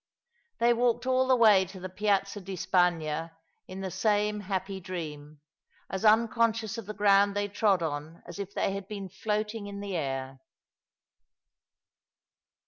They walked all the way to the Piazza di Spagna in the same happy dream, as nncon scious of the ground they trod on as if they had been floating in the air.